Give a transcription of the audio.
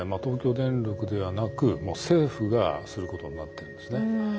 東京電力ではなく政府がすることになってるんですね。